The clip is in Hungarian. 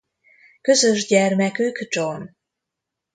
Közös gyermekük John.